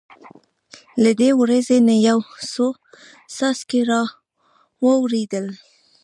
له دې وریځې نه یو څو څاڅکي را وورېدل.